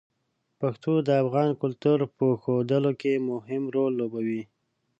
پښتو د افغان کلتور په ښودلو کې مهم رول لوبوي.